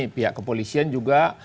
pihak kepolisian juga